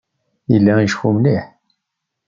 Yella iceffu mliḥ.